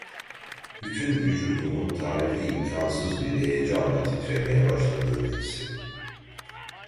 Bütün vücudumun tarifi imkânsız bir heyecanla titremeye başladığını hissettim.